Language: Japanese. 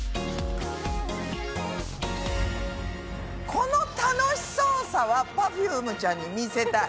この楽しそうさはＰｅｒｆｕｍｅちゃんに見せたい。